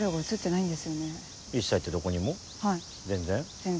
全然？